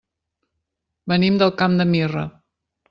Venim del Camp de Mirra.